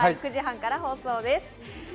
９時半から放送です。